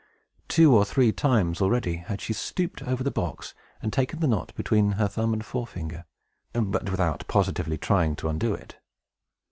Two or three times, already, she had stooped over the box, and taken the knot between her thumb and forefinger, but without positively trying to undo it.